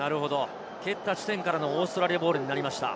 蹴った地点からのオーストラリアボールになりました。